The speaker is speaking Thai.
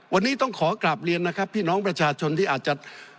วันนี้ต้องขอกลับเรียนนะครับพี่น้องประชาชนที่อาจจะ